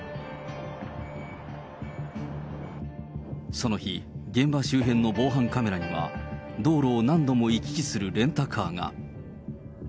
その日、現場周辺の防犯カメラには、道路を何度も行き来するレンタカーが。